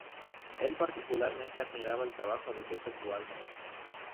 Él particularmente admiraba el trabajo de Joseph Wagner.